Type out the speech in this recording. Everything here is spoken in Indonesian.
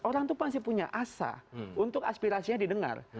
orang itu pasti punya asa untuk aspirasinya didengar